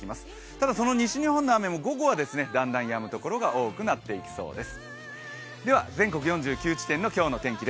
ただその西日本の雨も午後はだんだんやむところが多くなってきそうです。